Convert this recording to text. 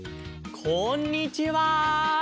こんにちは。